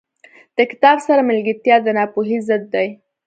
• د کتاب سره ملګرتیا، د ناپوهۍ ضد دی.